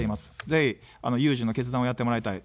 ぜひ有事の決断をやってもらいたい。